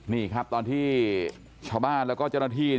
นี่ครับตอนที่ชาวบ้านแล้วก็เจ้าหน้าที่